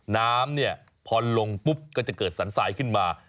น้ำพอลงปุ๊บก็จะเกิดสันสายขึ้นมา